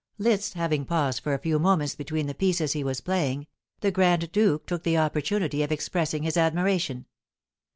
Liszt having paused for a few moments between the pieces he was playing, the grand duke took the opportunity of expressing his admiration.